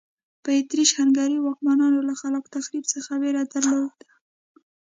په اتریش هنګري واکمنانو له خلاق تخریب څخه وېره درلوده.